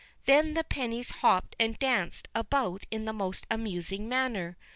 Then the pennies hopped and danced about in the most amusing manner.